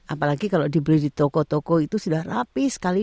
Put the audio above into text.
apalagi kalau dibeli di toko toko itu sudah rapi sekali